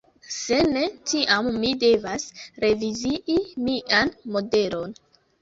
Se ne, tiam mi devas revizii mian modelon.